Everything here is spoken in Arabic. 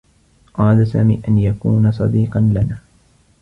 أراد سامي أن يكون صديقا لنا.